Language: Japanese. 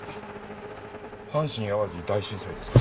阪神・淡路大震災ですか？